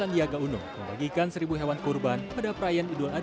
menjaga warga untuk mematuhi protokol kesehatan secara ketat dan disiplin